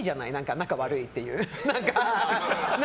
仲悪いっていう、何か。